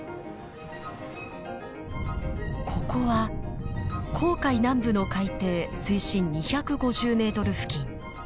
ここは紅海南部の海底水深２５０ｍ付近。